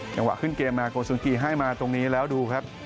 จังหวะขึ้นเกมมาโกสุนกีให้มาตรงนี้แล้วดูครับ